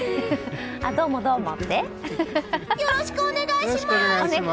よろしくお願いします！